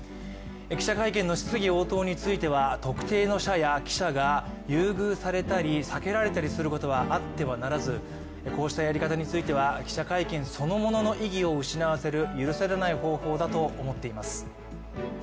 記者会見の質疑応答については特定の社や記者が優遇されたり、避けられたりすることはあってはならずこうしたやり方については記者会見そのものの意義を失わせる許されない方法だと思っています。